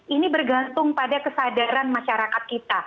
ini bergantung pada kesadaran masyarakat kita